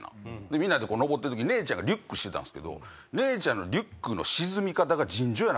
みんなで上ってる時に姉ちゃんがリュックしてたんすけど姉ちゃんのリュックの。